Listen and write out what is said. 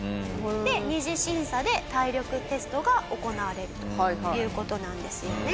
で２次審査で体力テストが行われるという事なんですよね。